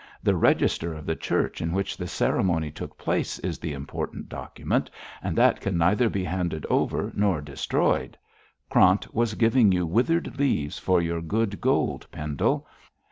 The register of the church in which the ceremony took place is the important document, and that can neither be handed over nor destroyed. Krant was giving you withered leaves for your good gold, Pendle.